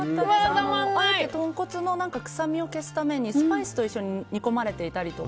あえて豚骨の臭みを消すためにスパイスと一緒に煮込まれていたり